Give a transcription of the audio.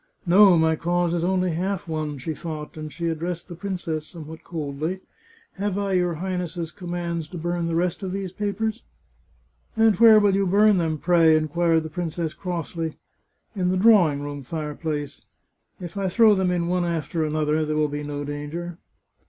" No, my cause is only half won," she thought, and she addressed the princess, somewhat coldly, " Have I your Highness's com mands to burn the rest of these papers ?"" And where will you bum them, pray ?" inquired the princess crossly. " In the drawing room fireplace. If I throw them in one after the other there will be no danger."